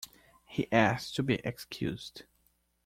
He asked to be excused